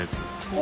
お！